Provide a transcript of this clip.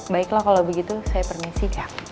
baiklah kalau begitu saya permisikan